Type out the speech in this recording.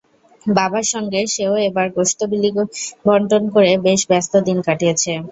বাবার সঙ্গে সে-ও এবার গোশত বিলি বণ্টন করে বেশ ব্যস্ত দিন কাটিয়েছে।